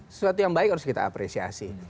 sesuatu yang baik harus kita apresiasi